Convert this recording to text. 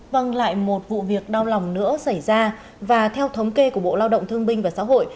vâng lại một vụ việc đau lòng nữa xảy ra và theo thống kê của bộ lao động thương binh và xã hội